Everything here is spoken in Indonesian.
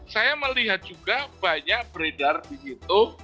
saya melihat juga banyak beredar di situ